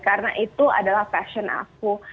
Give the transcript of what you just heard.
karena itu adalah passion aku